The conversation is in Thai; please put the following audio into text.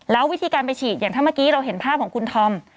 แล้ววิธีการไปฉีดอย่างถ้าเมื่อกี้เราเห็นภาพของคุณธอม